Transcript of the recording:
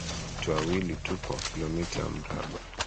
Watu wawili tu kwa kilomita ya mraba